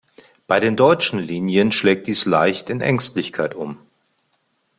Bei den deutschen Linien schlägt dies leicht in Ängstlichkeit um.